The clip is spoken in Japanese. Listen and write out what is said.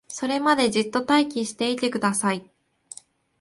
それまでじっと待機していてください